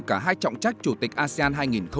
cả hai trọng trách chủ tịch asean hai nghìn hai mươi